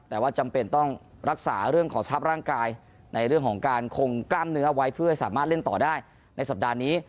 แต่ว่าจำเป็นต้องรักษาเรื่องของสภาพร่างกายในเรื่องของการคงกล้ามเนื้อไว้เพื่อให้สามารถเล่นต่อได้ในสัปดาห์นี้